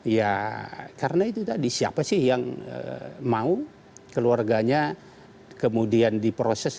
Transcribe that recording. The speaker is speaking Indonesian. ya karena itu tadi siapa sih yang mau keluarganya kemudian diproses